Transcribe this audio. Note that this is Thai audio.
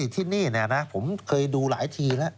ที่นี่ผมเคยดูหลายทีแล้ว